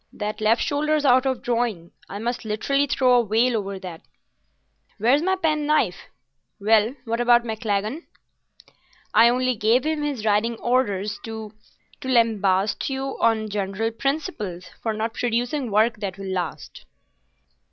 That left shoulder's out of drawing. I must literally throw a veil over that. Where's my pen knife? Well, what about Maclagan?" "I only gave him his riding orders to—to lambast you on general principles for not producing work that will last."